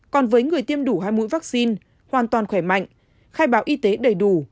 còn với người tiêm đủ hai mũi vắc xin hoàn toàn khỏe mạnh khai báo y tế đầy đủ